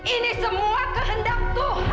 ini semua kehendak tuhan